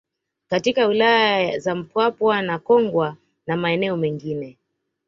Katika wilaya za Mpwapwa na Kongwa na maeneo mengine